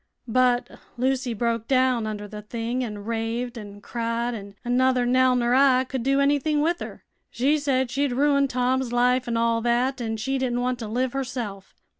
But Lucy broke down under the thing an' raved an' cried, an' nuther Nell ner I could do anything with her. She said she'd ruined Tom's life an' all thet, an' she didn't want to live herself.